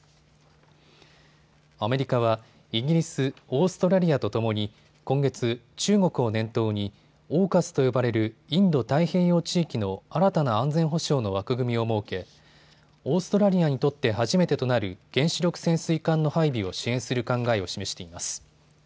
アメリカはイギリス、オーストラリアとともに今月、中国を念頭にＡＵＫＵＳと呼ばれるインド太平洋地域の新たな安全保障の枠組みを設けオーストラリアにとって初めてとなる原子力潜水艦の配備を支援する考えを示しています。